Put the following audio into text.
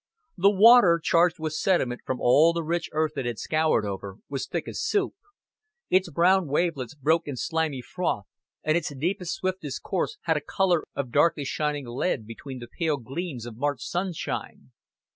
The water, charged with sediment from all the rich earth it had scoured over, was thick as soup; its brown wavelets broke in slimy froth, and its deepest swiftest course had a color of darkly shining lead beneath the pale gleams of March sunshine.